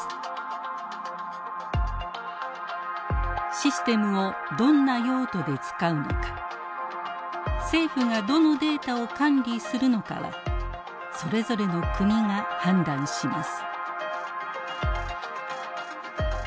システムをどんな用途で使うのか政府がどのデータを管理するのかはそれぞれの国が判断します。